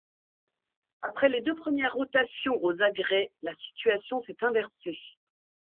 Après les deux premières rotations aux agrès, la situation s'est inversée.